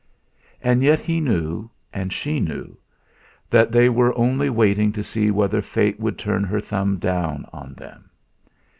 And yet he knew, and she knew, that they were only waiting to see whether Fate would turn her thumb down on them.